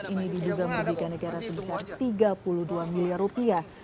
ini diduga merugikan negara sebesar tiga puluh dua miliar rupiah